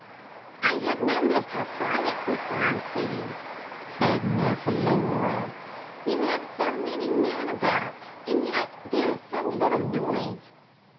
"I have noticed how quiet this farm seems," said Miss Laura. "You have so many men about, and yet there is so little noise."